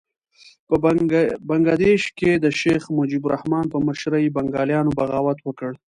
په بنګه دېش کې د شیخ مجیب الرحمن په مشرۍ بنګالیانو بغاوت وکړ.